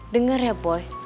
dengar ya boy